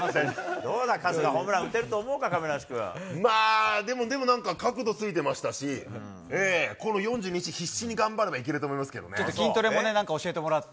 どうだ春日、ホームラン打てまあ、でも、なんか角度ついてましたし、この４２日、必死に頑張れば、いけると思いますけどちょっと筋トレもね、なんか、教えてもらって。